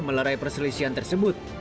melerai perselisian tersebut